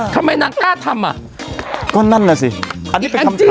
ทำไมนางกล้าทำอ่ะก็นั่นแหละสิอันนี้เป็นคำเชื่อ